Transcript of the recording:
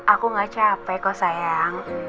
aku gak capek kau sayang